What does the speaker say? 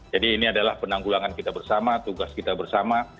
jadi ini adalah penanggulangan kita bersama tugas kita bersama